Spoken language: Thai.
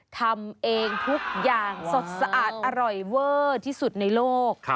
ทำเองทุกอย่างสดสะอาดอร่อยเวอร์ที่สุดในโลก